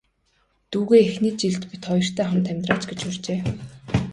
Дүүгээ эхний жил бид хоёртой хамт амьдраач гэж урьжээ.